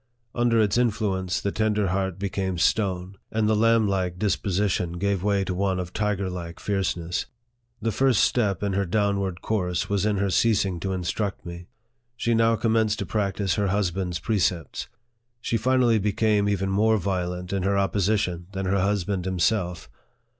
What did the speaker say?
Under its influence, the tender heart became stone, and the lamblike disposition gave way to one of tiger like fierceness. The first step in her downward course was in her ceasing to instruct me. She now commenced to practise her husband's precepts. She finally became even more violent in her opposition than her husband himself.